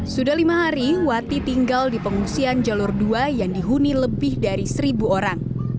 sudah lima hari wati tinggal di pengungsian jalur dua yang dihuni lebih dari seribu orang